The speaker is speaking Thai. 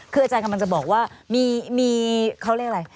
คืออาจารย์กำลังจะบอกว่ามีเขาเรียกอะไร